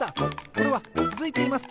これはつづいています！